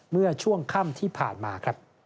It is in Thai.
เมื่อช่วงค่ำที่ผ่านมา